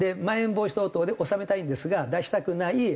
「まん延防止」等々で収めたいんですが出したくない。